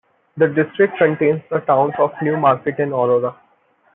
The district contains the towns of Newmarket and Aurora.